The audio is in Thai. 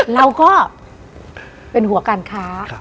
เราก็เป็นหัวการค้า